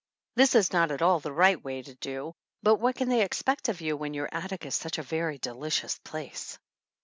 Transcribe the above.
This is not at all the right way to do, but what can they expect of you when your attic is such a very delicious place?